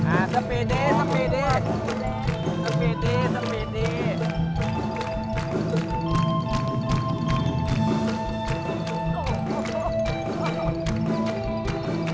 อ่าสปีดดีสปีดดีสปีดดีสปีดดี